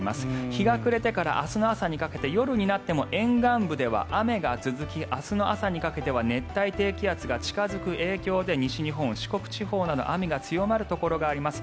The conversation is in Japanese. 日が暮れてから明日朝にかけて夜になっても沿岸部では雨が続き明日の朝にかけては熱帯低気圧が近付く影響で西日本、四国地方など雨が強まるところがあります。